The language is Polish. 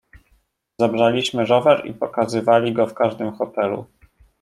"Zabraliśmy rower i pokazywali go w każdym hotelu."